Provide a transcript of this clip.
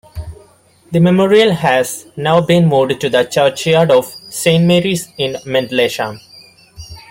The memorial has now been moved to the churchyard of Saint Mary's in Mendlesham.